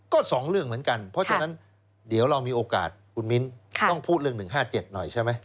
ก็๒เรื่องเหมือนกันเพราะฉะนั้นเดี๋ยวเรามีโอกาสคุณมิ้นต้องพูดเรื่อง๑๕๗หน่อยใช่ไหม